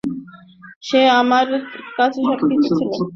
সে আমার কাছে সবকিছু ছিল।